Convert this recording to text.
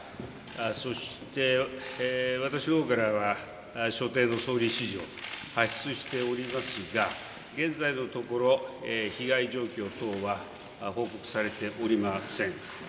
そして、私の方からは所定の総理指示を発出しておりますが、現在のところ被害状況等は報告されておりません。